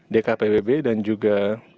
dkpbb dan juga